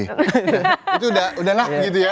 itu udah lah gitu ya